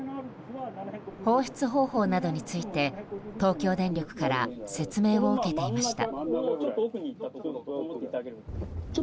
放出方法などについて東京電力から説明を受けていました。